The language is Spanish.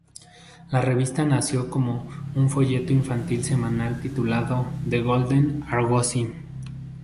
La revista nació como un folleto infantil semanal titulado The Golden Argosy.